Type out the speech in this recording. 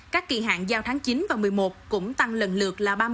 các kỳ hạn giao tháng chín và một mươi một cũng tăng lần lượt